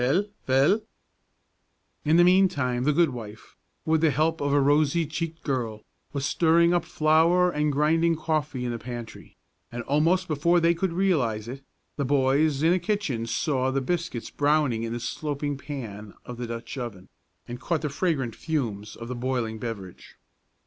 Vell! vell!" In the mean time the good wife, with the help of a rosy cheeked girl, was stirring up flour and grinding coffee in the pantry; and almost before they could realize it, the boys in the kitchen saw the biscuits browning in the sloping pan of the Dutch oven, and caught the fragrant fumes of the boiling beverage.